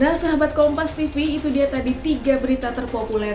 nah sahabat kompas tv itu dia tadi tiga berita terpopuler